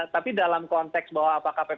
tapi dalam konteks bahwa apakah ppkm